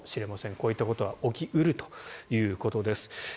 こういったことは起き得るということです。